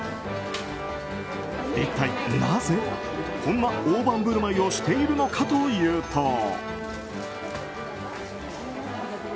一体なぜ、こんな大盤振る舞いをしているのかというと。